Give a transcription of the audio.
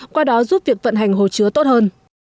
qua đó giúp việc vận hành hồ chứa tốt hơn